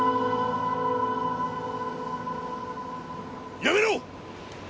やめろ！